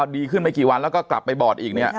ดีขึ้นไม่กี่วันแล้วก็กลับไปบอดอีกเนี่ย